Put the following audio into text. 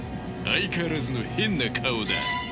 相変わらずの変な顔だ。